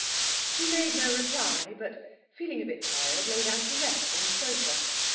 She made no reply; but, feeling a bit tired, lay down to rest on the sofa.